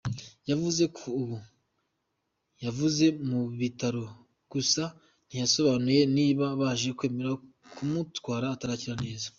Yavuze ko ubu yavuye mu bitaro gusa ntiyasobanuye niba baje kwemera kumutwara atarakira neza.